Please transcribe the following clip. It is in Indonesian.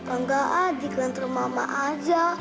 enggak di kantor mama aja